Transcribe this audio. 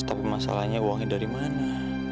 tapi masalahnya uangnya dari mana